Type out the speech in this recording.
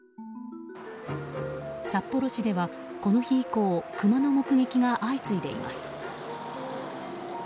札幌市ではこの日以降クマの目撃が相次いでいます。